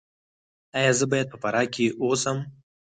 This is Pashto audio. ایا زه باید په فراه کې اوسم؟